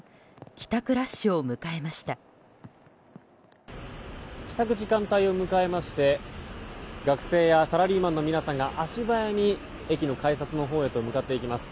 帰宅時間帯を迎えまして学生やサラリーマンの皆さんが足早に駅の改札のほうへと向かっていきます。